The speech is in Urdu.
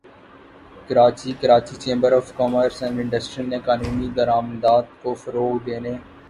Karachi Karachi chamber of commerce and industry نے قانونی درآمدات کو فروغ دینے